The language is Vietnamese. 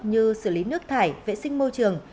như xử lý nước thải vệ sinh môi trường